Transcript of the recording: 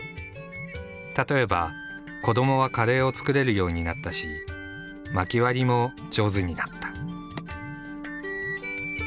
例えば「コドモ」はカレーを作れるようになったし薪割りも上手になった。